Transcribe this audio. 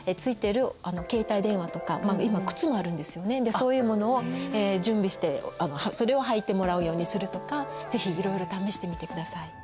そういうものを準備してそれを履いてもらうようにするとか是非いろいろ試してみてください。